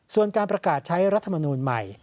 ส่วนการประกาศใช้รัฐมนูลใหม่